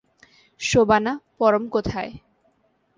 শোবানা, পরম কোথায়?